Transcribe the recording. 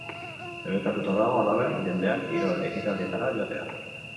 Debekatuta dago, halaber, jendeak kirol-ekitaldietara joatea.